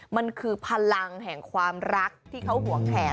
มันคือพลังแห่งความรักที่เขาห่วงแขน